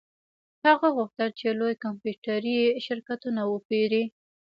هغه غوښتل چې لوی کمپیوټري شرکتونه وپیري